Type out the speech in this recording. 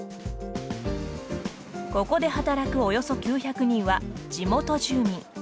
ここで働くおよそ９００人は地元住民。